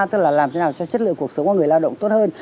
tức là làm thế nào cho chất lượng cuộc sống của người lao động tốt hơn